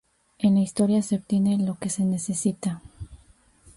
En la historia "¡Se obtiene lo que se necesita!